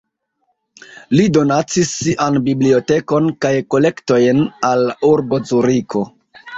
Li donacis sian bibliotekon kaj kolektojn al la urbo Zuriko.